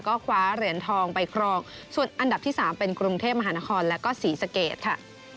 ก็คว้าเหรียญทองไปครองส่วนอันดับที่๓เป็นกรุงเทพมหานครแล้วก็ศรีสะเกดค่ะ